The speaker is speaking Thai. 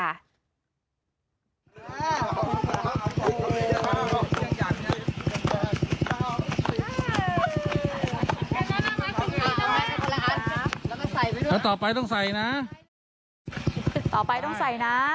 แล้วต่อไปต้องใส่นะ